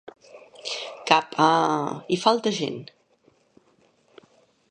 Cap a... hi falta gent!